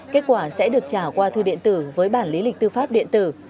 kết quả sẽ được trả qua thư điện tử với bản lý lịch tư pháp điện tử